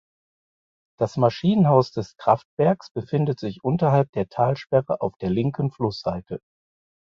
Das Maschinenhaus des Kraftwerks befindet sich unterhalb der Talsperre auf der linken Flussseite.